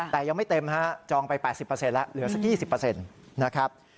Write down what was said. แต่ยังไม่เต็มฮะจองไป๘๐แล้วเหลือสัก๒๐นะครับ